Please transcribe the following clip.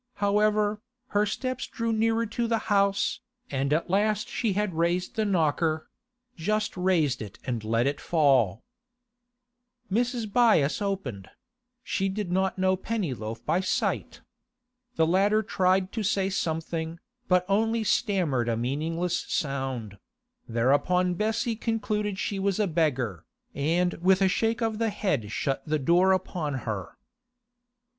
However, her steps drew nearer to the house, and at last she had raised the knocker—just raised it and let it fall. Mrs. Byass opened; she did not know Pennyloaf by sight. The latter tried to say something, but only stammered a meaningless sound; thereupon Bessie concluded she was a beggar, and with a shake of the head shut the door upon her.